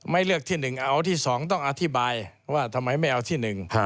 ไม่เลือกที่๑เอาที่๒ต้องอธิบายว่าทำไมไม่เอาที่๑